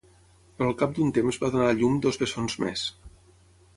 Però al cap d'un temps va donar a llum dos bessons més.